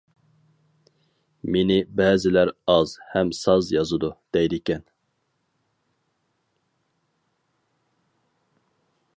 مېنى بەزىلەر «ئاز ھەم ساز يازىدۇ» دەيدىكەن.